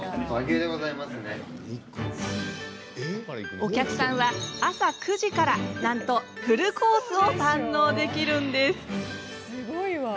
お客さんは朝９時から、なんとフルコースを堪能できるんです。